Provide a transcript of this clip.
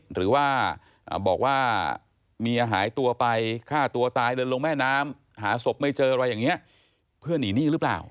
หรือว่าบอกว่าเมียหายตัวไปฆ่าตัวตายเดินลงแม่น้ำหาศพไม่เจออะไรอย่างนี้เพื่อหนีหนี้หรือเปล่า